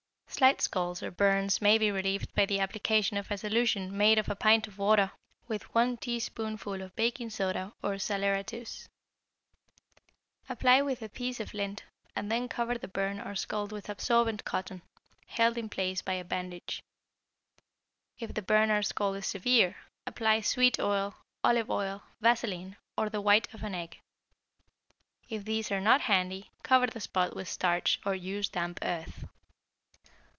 Slight scalds or burns may be relieved by the application of a solution made of a pint of water with one teaspoonful of baking soda or saleratus. Apply with a piece of lint, and then cover the burn or scald with absorbent cotton, held in place by a bandage. If the burn or scald is severe, apply sweet oil, olive oil, vaseline, or the white of an egg. If these are not handy, cover the spot with starch or use damp earth.